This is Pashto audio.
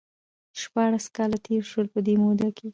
شپاړس کاله تېر شول ،په دې موده کې